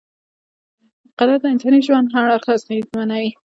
قدرت د انساني ژوند هر اړخ اغېزمنوي.